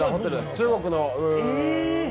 中国の内